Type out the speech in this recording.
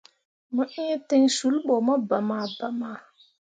Mo iŋ ten sul ɓo mo bama bama.